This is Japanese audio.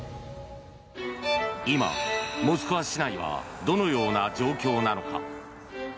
今、モスクワ市内はどのような状況なのか。